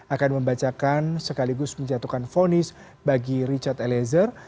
akan membacakan sekaligus penjatuhan fonis bagi richard elezer